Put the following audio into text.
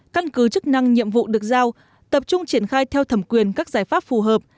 căn cứ chức năng nhiệm vụ được giao tập trung triển khai theo thẩm quyền các giải pháp phù hợp